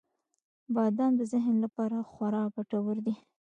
• بادام د ذهن لپاره خورا ګټور دی.